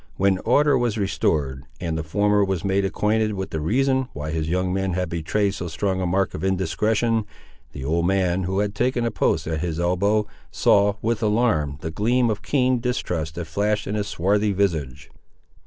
When order was restored, and the former was made acquainted with the reason why his young men had betrayed so strong a mark of indiscretion, the old man, who had taken a post at his elbow, saw, with alarm, the gleam of keen distrust that flashed in his swarthy visage.